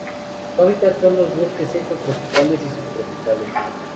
Su hábitat son los bosques secos tropicales y subtropicales.